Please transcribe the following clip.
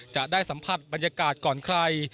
จะได้สัมผัสบรรยากาศก่อนใคร